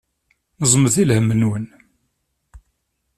Neẓmet i lhem-nwen.